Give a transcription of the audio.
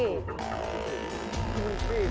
พี่